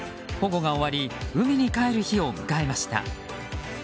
保護が終わり海に帰る日を迎えました。